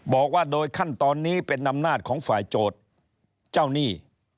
บอกว่าโดยขั้นตอนนี้เป็นอำนาจของฝ่ายโจทย์เจ้าหนี้